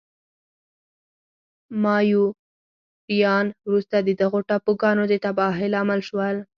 مایوریان وروسته د دغو ټاپوګانو د تباهۍ لامل شول.